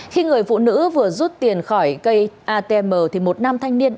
khi người phụ nữ vừa rút tiền khỏi cây atm thì một nam thanh niên